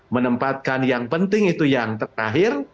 menempatkan yang penting itu yang terakhir